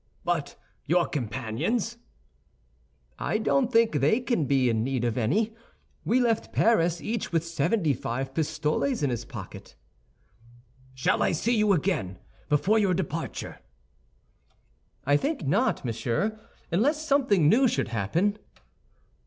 "But your companions?" "I don't think they can be in need of any. We left Paris, each with seventy five pistoles in his pocket." "Shall I see you again before your departure?" "I think not, monsieur, unless something new should happen."